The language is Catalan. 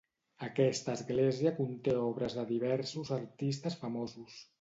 Aquesta església conté obres de diversos artistes famosos.